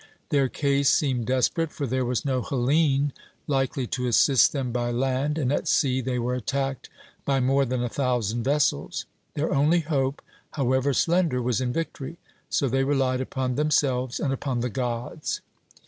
Their case seemed desperate, for there was no Hellene likely to assist them by land, and at sea they were attacked by more than a thousand vessels; their only hope, however slender, was in victory; so they relied upon themselves and upon the Gods.